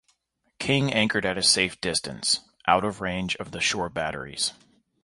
King anchored at a safe distance, out of range of the shore batteries.